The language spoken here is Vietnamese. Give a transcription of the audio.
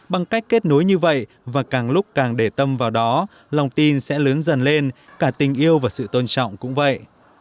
bằng cách kết nối như vậy và càng lúc càng để tâm vào đó lòng tin sẽ lớn dần lên cả tình yêu và sự tôn trọng cũng vậy